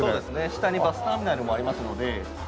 下にバスターミナルもありますので。